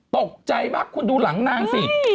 ตกใจมากคุณดูหลังนางสิ